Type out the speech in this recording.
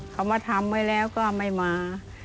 เขามาทำไว้แล้วก็ไม่มา